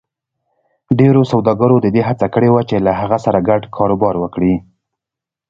ډېرو سوداګرو د دې هڅه کړې وه چې له هغه سره ګډ کاروبار وکړي.